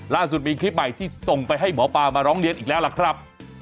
ล่าสุดมีคลิปใหม่ที่ส่งไปให้หมอปลามาร้องเรียนอีกแล้วล่ะครับ